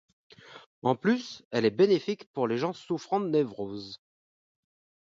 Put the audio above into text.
En plus, elle est bénéfique pour les gens souffrant de névroses.